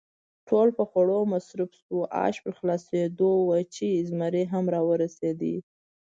ټول په خوړو مصروف شوو، آش پر خلاصېدو ول چې زمري هم را ورسېد.